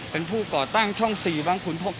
เป็นผู้ก่อตั้งช่อง๔บ้างคุณพก